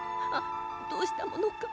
どうしたものか。